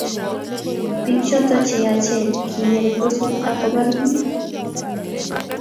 Bik choto cheyachen kinyalil, kosup ako bar bik.